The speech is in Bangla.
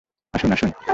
আসুন, আসুন!